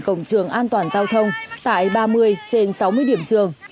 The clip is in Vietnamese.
cổng trường an toàn giao thông tại ba mươi trên sáu mươi điểm trường